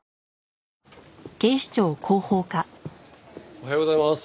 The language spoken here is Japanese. おはようございます。